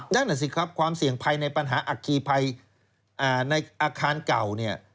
นั่นน่ะสิครับความเสี่ยงภัยในปัญหาอัคคีภัยในอาคารเก่าเนี่ย